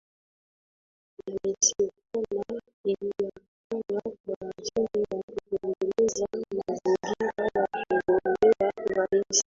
inasemekana aliyafanya kwa ajili ya kutengeneza mazingira ya kugombea urais